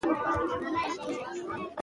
ښه الوت برابري لټوم ، چېرې ؟